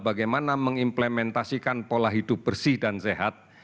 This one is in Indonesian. bagaimana mengimplementasikan pola hidup bersih dan sehat